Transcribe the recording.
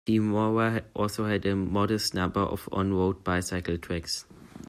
Temora also has a modest number of on-road bicycle tracks.